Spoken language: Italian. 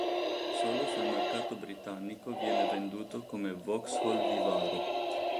Solo sul mercato britannico viene venduto come Vauxhall Vivaro.